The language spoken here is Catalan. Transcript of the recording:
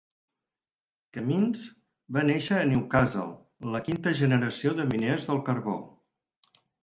Camins va nàixer a Newcastle, la quinta generació de miners del carbó.